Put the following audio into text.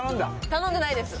頼んでないです